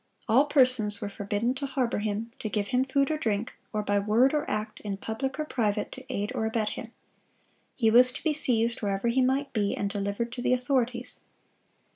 All persons were forbidden to harbor him, to give him food or drink, or by word or act, in public or private, to aid or abet him. He was to be seized wherever he might be, and delivered to the authorities.